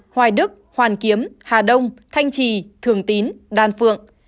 hoài đức hoàn kiếm hà đông thanh trì thường tín đan phượng